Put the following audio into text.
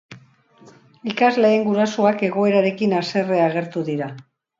Ikasleen gurasoak egoerarekin haserre agertu dira.